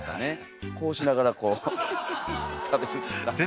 こうしながらこう食べるとか。